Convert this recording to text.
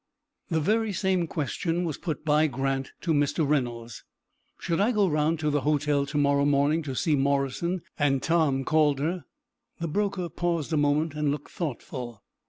The very same question was put by Grant to Mr. Reynolds. "Shall I go round to the hotel to morrow morning to see Morrison and Tom Calder?" The broker paused a moment and looked thoughtful.